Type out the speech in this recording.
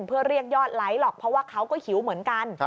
เพื่อเรียกยอดไลค์หรอกเพราะว่าเขาก็หิวเหมือนกัน